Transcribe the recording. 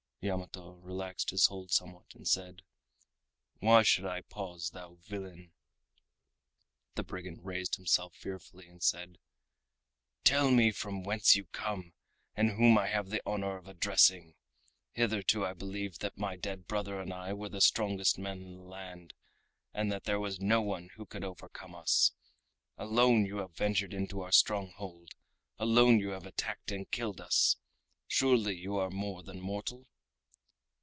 Yamato relaxed his hold somewhat and said. "Why should I pause, thou villain?" The brigand raised himself fearfully and said: "Tell me from whence you come, and whom I have the honor of addressing? Hitherto I believed that my dead brother and I were the strongest men in the land, and that there was no one who could overcome us. Alone you have ventured into our stronghold, alone you have attacked and killed us! Surely you are more than mortal?"